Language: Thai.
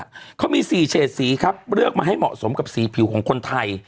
และมีสีเฉดสีเลือกมาให้เหมาะสมสีผิวของคนไทย